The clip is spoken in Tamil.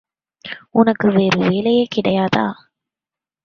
உனக்கு வேறு வேலையே கிடையாதா?